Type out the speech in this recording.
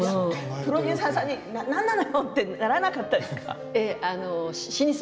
プロデューサーさんに何なのよ、とならなかったですか。